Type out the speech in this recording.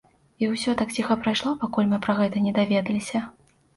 І ўсё так ціха прайшло, пакуль мы пра гэта не даведаліся.